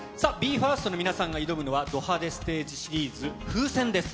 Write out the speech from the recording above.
ＢＥ：ＦＩＲＳＴの皆さんが挑むのは、ド派手ステージシリーズ風船です。